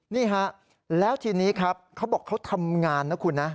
นี่ฮะแล้วทีนี้ครับเขาบอกเขาทำงานนะคุณนะ